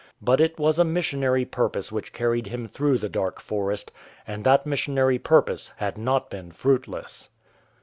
But it was a missionary purpose which carried him through the Dark Forest, and that missionary purpose had not been fruitless.